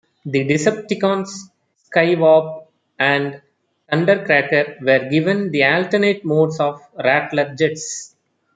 The Decepticons Skywarp and Thundercracker were given the alternate modes of Rattler jets.